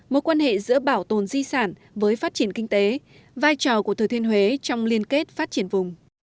một quan hệ giữa bảo tồn di sản với phát triển kinh tế vai trò của thừa thiên huế trong liên kết phát triển vùng